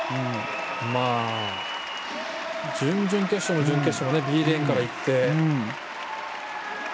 準々決勝、準決勝はＢレーンからいって。